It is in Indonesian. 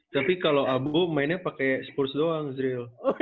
tapi kalau abu mainnya pakai spurs doang zril